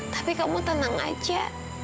tapi kamu tenang aja